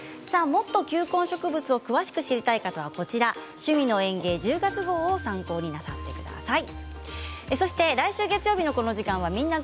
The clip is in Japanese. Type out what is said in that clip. もっと球根植物を詳しく知りたい方は「趣味の園芸」１０月号を参考になさってください。